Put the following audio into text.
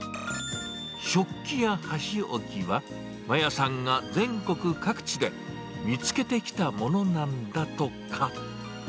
食器や箸置きは、まやさんが全国各地で見つけてきたものなんだとか。